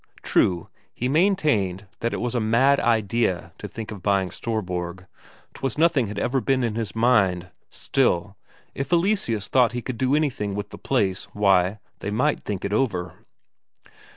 True, he maintained that it was a mad idea to think of buying Storborg, 'twas nothing had ever been in his mind; still, if Eleseus thought he could do anything with the place, why, they might think it over.